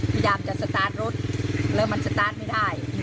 พยายามจะสตาร์ทรถแล้วมันสตาร์ทไม่ได้